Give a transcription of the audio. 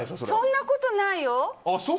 そんなことないよ！